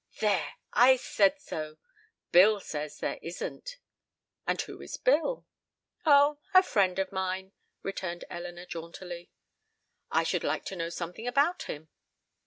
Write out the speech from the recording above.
"There, I said so; Bill says there isn't." "And who is Bill?" "Oh, a friend of mine," returned Elinor, jauntily. "I should like to know something about him."